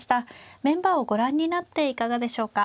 メンバーをご覧になっていかがでしょうか。